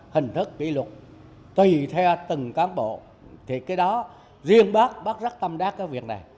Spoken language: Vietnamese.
hình thức kỷ luật tùy theo từng cán bộ thì cái đó riêng bác bác rất tâm đắc cái việc này